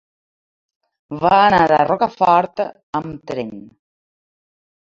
Va anar a Rocafort amb tren.